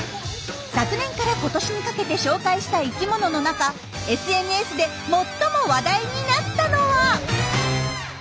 昨年から今年にかけて紹介した生きものの中ＳＮＳで最も話題になったのは？